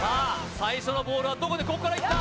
最初のボールはどこでここからいった！